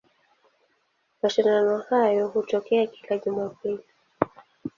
Mashindano hayo hutokea kila Jumapili.